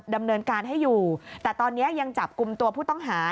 ดำเนินการให้อยู่แต่ตอนนี้ยังจับกลุ่มตัวผู้ต้องหา